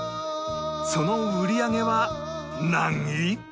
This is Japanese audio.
その売り上げは何位？